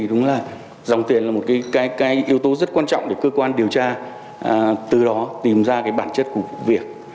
rất quan trọng để cơ quan điều tra từ đó tìm ra cái bản chất của vụ việc